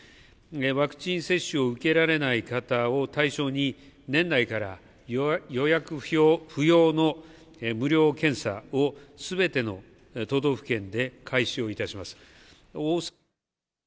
ワクチン接種を受けられない方を対象に、年内から予約不要の無料検査をすべての都道府県で開始をいたします。